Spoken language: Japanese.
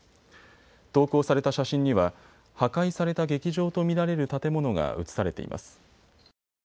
投稿された写真には破壊された劇場と見られる建物がうつされています。